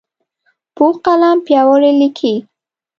پوخ قلم پیاوړی لیکي